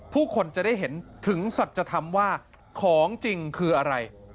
ผู้คนจะได้เห็นถึงสัจธรรมว่าของจริงคืออะไร